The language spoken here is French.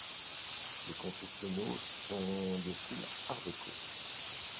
Les confessionnaux sont de style art-déco.